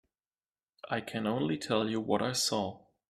I can only tell you what I saw.